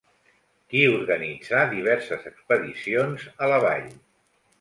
Qui organitzà diverses expedicions a la vall?